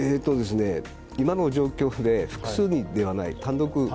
今の状況では複数人ではない、単独。